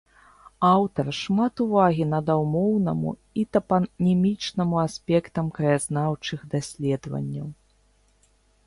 Аўтар шмат увагі надаў моўнаму і тапанімічнаму аспектам краязнаўчых даследаванняў.